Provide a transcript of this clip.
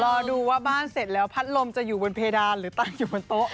รอดูว่าบ้านเสร็จแล้วพัดลมจะอยู่บนเพดานหรือตั้งอยู่บนโต๊ะ